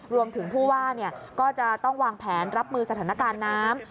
รวมถึงผู้ว่าก็จะต้องวางแผนรับมือสถานการณ์น้ำ